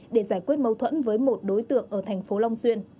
để giải quyết mâu thuẫn với một đối tượng ở thành phố long xuyên